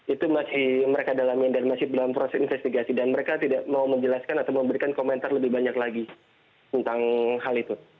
itu masih mereka dalami dan masih dalam proses investigasi dan mereka tidak mau menjelaskan atau memberikan komentar lebih banyak lagi tentang hal itu